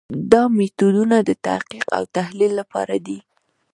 دا میتودونه د تحقیق او تحلیل لپاره دي.